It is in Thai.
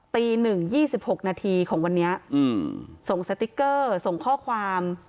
ตีหนึ่ง๒๖นาทีของวันนี้ส่งสติ๊กเกอร์ส่งข้อความ